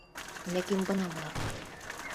Ләкин бына уларға!